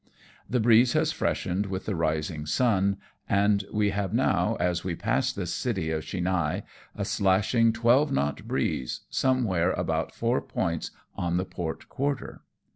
The breeze has freshened with the rising sun, and we have now, as we pass the city of Chinhae, a slashing twelve knot breeze, somewhere about four points on the port quarter.